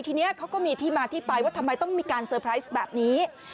ทีนี้เขาก็มีที่มาที่ไปว่าทำไมต้องมีการเซอร์ไพรส์แบบนี้